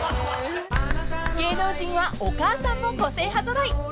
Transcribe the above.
［芸能人はお母さんも個性派揃い］